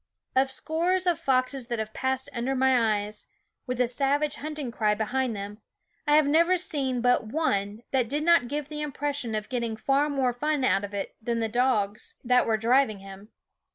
Of scores of foxes that have passed under my eyes, with a savage hunting cry behind them, I have never seen but one that did not give the impression of getting far W SCffOOL OF , more fun out of it than the dogs that were driving him.